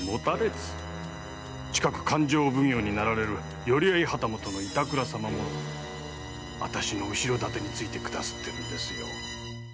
近く勘定奉行になられる寄合旗本の板倉様も私の後ろ盾についてくださってるんですよ。